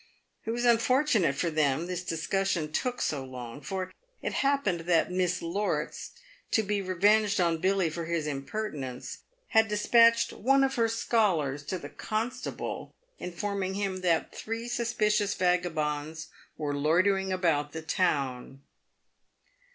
It was unfortunate for them this discussion took so long, for it happened that Miss Lorts, to be revenged on Billy for his im pertinence, had despatched one of her scholars to the constable, in forming him that three suspicious vagabonds were loitering about the town.